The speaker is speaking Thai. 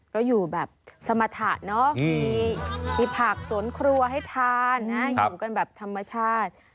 ก็อยู่แบบสมรรถะเนาะมีผักสวนครัวให้ทานอยู่กันแบบธรรมชาติ